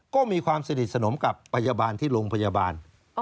ก็มีความสนิทสนมกับพยาบาลที่โรงพยาบาล